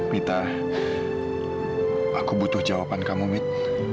mita aku butuh jawaban kamu mil